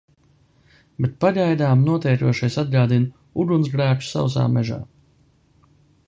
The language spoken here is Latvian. Bet pagaidām notiekošais atgādina ugunsgrēku sausā mežā.